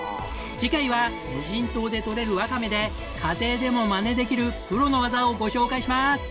次回は無人島でとれるわかめで家庭でもマネできるプロの技をご紹介します。